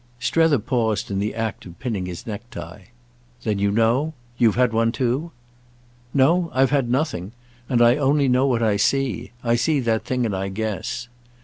Strether paused in the act of pinning his necktie. "Then you know—? You've had one too?" "No, I've had nothing, and I only know what I see. I see that thing and I guess.